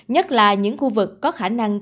nhất là những khu vực có khả năng